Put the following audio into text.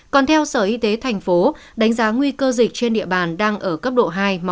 còn theo sở y tế thành phố đánh giá nguy cơ dịch trên địa bàn đang ở cấp độ hai